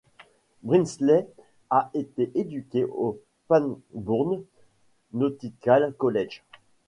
Brinsley a été éduqué au Pangbourne Nautical College.